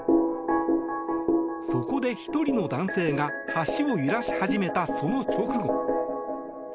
そこで１人の男性が橋を揺らし始めたその直後。